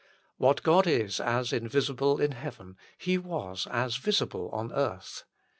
What God is as invisible in heaven, He was as visible on earth.